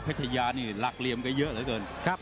เพชยานี่ลากเหลี่ยมก็เยอะมากเท่าไหร่เกิน